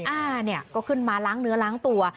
อ้าเนี่ยก็ขึ้นมาล้างเนื้อล้างตัว